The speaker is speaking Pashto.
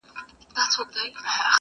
را لېږلي یاره دا خلګ خزان دي ،